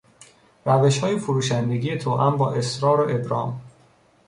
روشهای فروشندگی توام با اصرار و ابرام